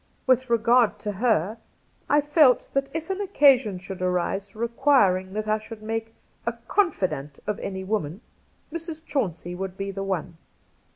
With regard to her, I felt that if an occasion should arise re quiring that I should make a confidante of any woman Mrs. Chauncey would be the one.